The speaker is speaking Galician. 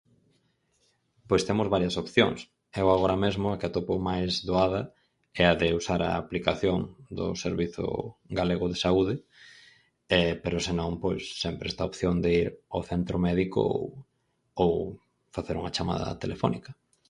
Pois temos varias opcións, eu agora mesmo a que atopo máis doada é a de usar a aplicación do servizo galego de saúde, pero senón, pois, sempre está a opción de ir ao centro médico ou facer unha chamada telefónica.